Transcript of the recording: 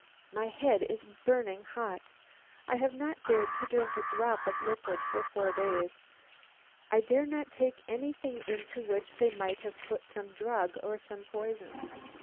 My head is burning hot. I have not dared to drink a drop of liquid for four days. I dare not take anything into which they might have put some drug or some poison.